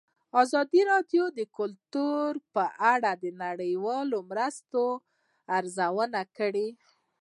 ازادي راډیو د کلتور په اړه د نړیوالو مرستو ارزونه کړې.